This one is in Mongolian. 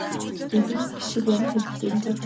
Бидэнд тэр ямар хэрэгтэй юм бэ?